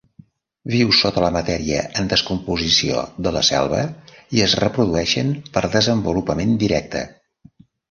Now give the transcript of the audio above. Viu sota la matèria en descomposició de la selva i es reprodueixen per desenvolupament directe.